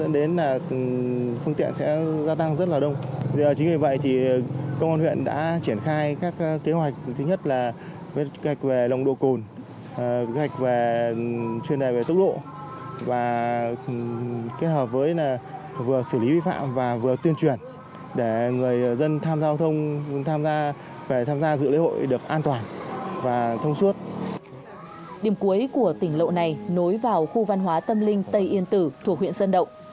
điểm cuối của tỉnh lộ này nối vào khu văn hóa tâm linh tây yên tử thuộc huyện sân động